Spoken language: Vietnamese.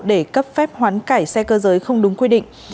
để cấp phép hoán cải xe cơ giới không đúng quy định